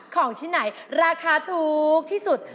ของชิ้นไหนราคาถูกที่สุด